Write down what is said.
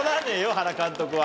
原監督は。